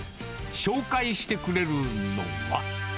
紹介してくれるのは。